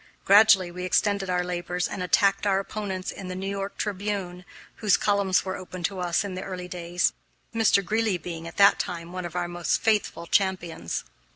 Gradually we extended our labors and attacked our opponents in the New York Tribune, whose columns were open to us in the early days, Mr. Greeley being, at that time, one of our most faithful champions.